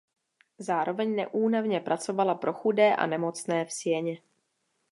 Zároveň neúnavně pracovala pro chudé a nemocné v Sieně.